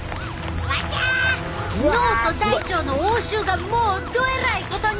あちゃ脳と大腸の応酬がもうどえらいことに！